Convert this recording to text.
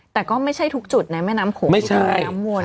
แต่ก็ไม่ใช่ทุกจุดในแม่น้ำโขงไม่ใช่แม่น้ำวน